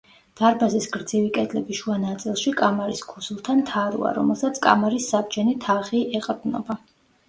დარბაზის გრძივი კედლების შუა ნაწილში, კამარის ქუსლთან, თაროა, რომელსაც კამარის საბჯენი თაღი ეყრდნობა.